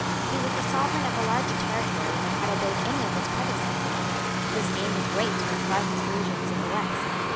He was the sovereign of a larger territory than had obeyed any of his predecessors. His name was great in the farthest regions of the West.